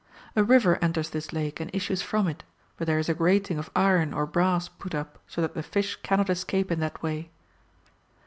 A river enters this lake and issues from it, but there is a grating of iron or brass put up so that the fish cannot escape in that way.